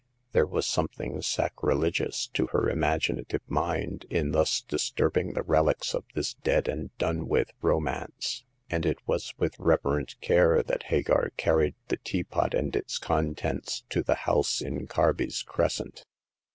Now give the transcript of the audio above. There was something sacrilegious to her imagi native mind, in thus disturbing the relics of this dead and done with romance ; and it was with reverent care that Hagar carried the teapot and its contents to the house in Carby's Crescent.